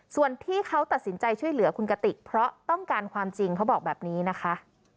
ส่วนที่เขาตัดสินใจช่วยเหลือคุณกติกเพราะต้องการความจริงเขาบอกแบบนี้นะคะ